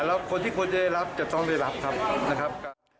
แล้วคนที่ควรจะได้รับจะต้องได้รับครับนะครับ